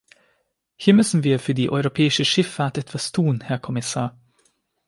Hier müssen wir für die europäische Schifffahrt etwas tun, Herr Kommissar!